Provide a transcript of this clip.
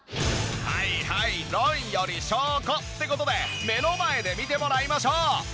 はいはい論より証拠って事で目の前で見てもらいましょう！